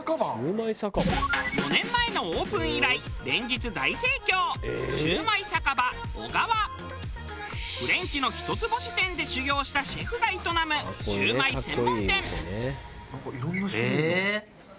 ４年前のオープン以来連日大盛況フレンチの１つ星店で修業したシェフが営むシュウマイ専門店。